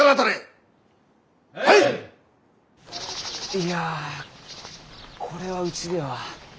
いやこれはうちでは。